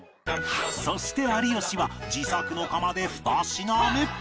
そして有吉は自作の窯で２品目